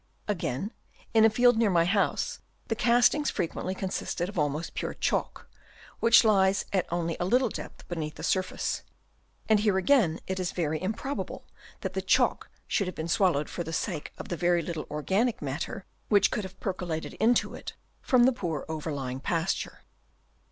Again in a field near my house the castings frequently consist of almost pure chalk, which lies at only a little depth beneath the surface ; and here again it is very improbable that the chalk should have been swallowed for the sake of the very little organic matter which could have percolated into it from the poor over lying pasture.